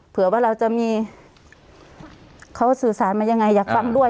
เผื่อว่าเราจะมีเขาสื่อสารมายังไงอยากฟังด้วย